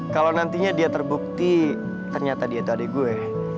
kalau nantinya dia terbukti ternyata dia itu ada gue